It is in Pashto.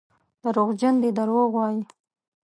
دروغجن دي دروغ وايي.